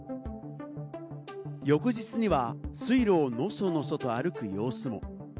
翌日には水路をのそのそと歩く様子も。